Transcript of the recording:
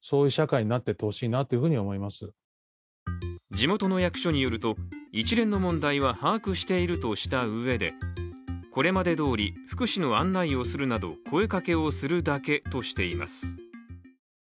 地元の役所によると、一連の問題は把握しているとしたうえでこれまでどおり福祉の案内をするなど声掛けをするだけとしています。